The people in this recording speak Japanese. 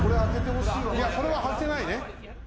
いやこれは外せないね。